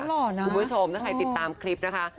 กลุ่มชมนะใครติดตามคลิปนะคะ